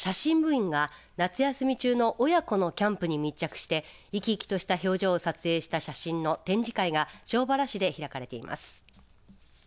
員が夏休み中の親子のキャンプに密着して生き生きとした表情を撮影した写真の展示会が庄原市で開かれています。